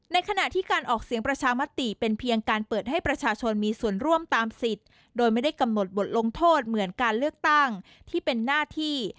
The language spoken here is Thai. ขณะที่การออกเสียงประชามติเป็นเพียงการเปิดให้ประชาชนมีส่วนร่วมตามสิทธิ์โดยไม่ได้กำหนดบทลงโทษเหมือนการเลือกตั้งที่เป็นหน้าที่